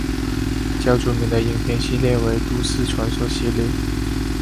较著名的影片系列为都市传说系列。